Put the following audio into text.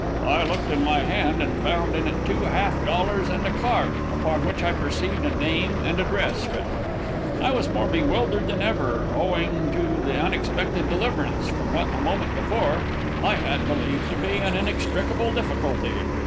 I looked in my hand, and found in it two half dollars and a card, upon which I perceived a name and address written. I was more bewildered than ever, owing to the unexpected deliverance, from what a moment before, I had believed to be an inextricable difficulty.